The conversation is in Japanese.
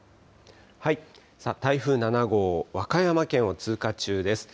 台風７号、和歌山県を通過中です。